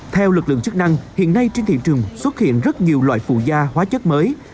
theo lực lượng chức năng hiện nay trên thị trường xuất hiện rất nhiều loại phụ da hóa chất mới